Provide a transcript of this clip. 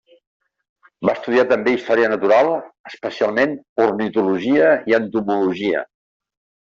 Va estudiar també història natural, especialment ornitologia i entomologia.